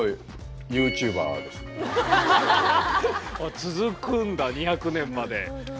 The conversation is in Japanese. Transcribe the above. あ続くんだ２００年まで。